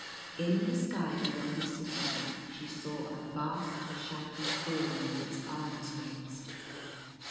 In the sky beyond the city she saw a vast shadowy Form with its arms raised.